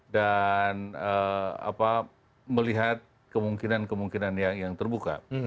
dan melihat kemungkinan kemungkinan yang terbuka